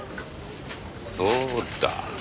そうだ。